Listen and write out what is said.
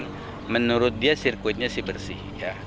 dan menurut dia sirkuitnya sih bersih